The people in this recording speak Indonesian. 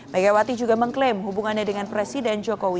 megawati juga mengklaim hubungannya dengan presiden jokowi